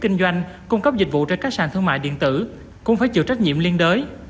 kinh doanh cung cấp dịch vụ trên các sàn thương mại điện tử cũng phải chịu trách nhiệm liên đới